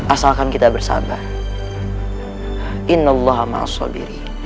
asalkan kita bersabar